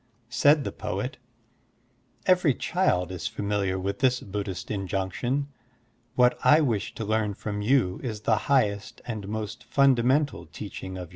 Said the poet, "Every child is familiar with this Buddhist injunction. What I wish to learn from you is the highest and most ftmdamental teaching of ^Translation by Dr. Paid Cams.